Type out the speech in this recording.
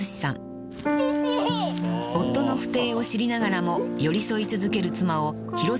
［夫の不貞を知りながらも寄り添い続ける妻を］